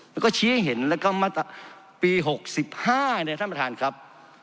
แล้วก็ชี้ให้เห็นแล้วก็ปี๖๕นะครับท่านประธานครับ